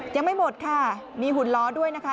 ยังไม่หมดค่ะมีหุ่นล้อด้วยนะคะ